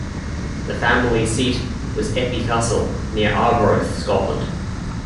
The family seat was Ethie Castle, near Arbroath, Scotland.